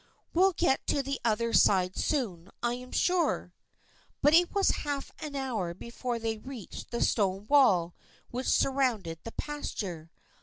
We'll get to the other side soon, I am sure." But it was half an hour before they reached the stone wall which surrounded the pasture.